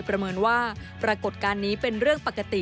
ประเมินว่าปรากฏการณ์นี้เป็นเรื่องปกติ